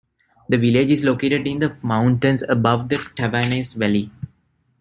The village is located in the mountains above the Tavannes valley.